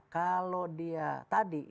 kalau dia tadi